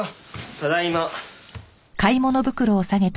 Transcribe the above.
ただいま。